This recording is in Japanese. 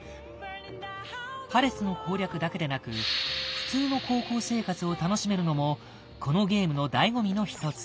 パレスの攻略だけでなく普通の高校生活を楽しめるのもこのゲームのだいご味の一つ。